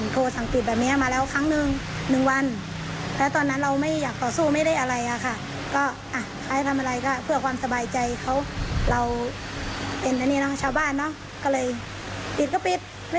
ทำไมชาวบ้านก็เลยปิดก็ปิดไม่เป็นไร